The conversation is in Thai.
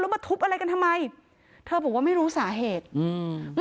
มาทุบอะไรกันทำไมเธอบอกว่าไม่รู้สาเหตุอืม